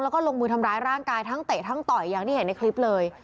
แล้วก็ลงมือทำร้ายร่างกายทั้งเตะทั้งต่อยอย่างที่เห็นในคลิปเลย